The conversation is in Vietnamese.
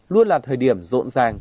luôn là thời điểm rộn ràng